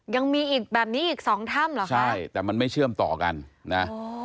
ยังมีอีกแบบนี้อีกสองถ้ำเหรอคะใช่แต่มันไม่เชื่อมต่อกันนะอ๋อ